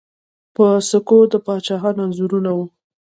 په سکو د پاچاهانو انځورونه وو